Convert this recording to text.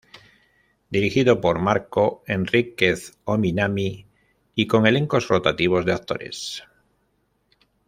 Dirigido por Marco Enríquez-Ominami y con elencos rotativos de actores.